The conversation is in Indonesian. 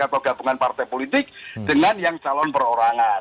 atau gabungan partai politik dengan yang calon perorangan